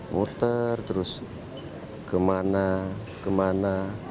muter terus kemana kemana